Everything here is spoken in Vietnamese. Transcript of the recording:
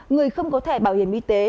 người không có thẻ bảo hiểm y tế